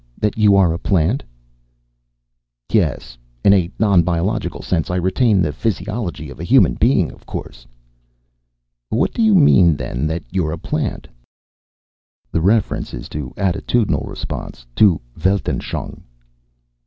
That you are a plant." "Yes, in a non biological sense. I retain the physiology of a human being, of course." "What do you mean, then, that you're a plant?" "The reference is to attitudinal response, to Weltanschauung."